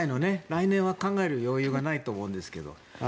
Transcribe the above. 来年は考える余裕がないと思うんですけど。